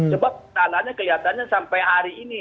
sebab tanahnya kelihatannya sampai hari ini